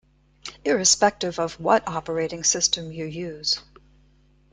Irrespective of what operating system you use.